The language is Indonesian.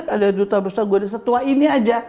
ada duta besar gue di setua ini aja